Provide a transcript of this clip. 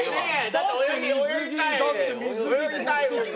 だって泳ぎたい泳ぎたいもんね。